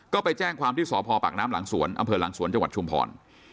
ก็ไปแจ้งเพราะสอพปากน้ำลังสวนจะวัดชุมพร